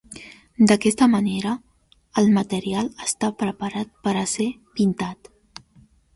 D'aquesta manera, el material està preparat per a ser pintat.